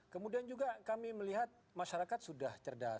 kemudian juga kami melihat masyarakat sudah cerdas